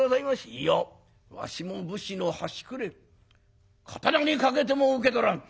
「いやわしも武士の端くれ刀にかけても受け取らん」。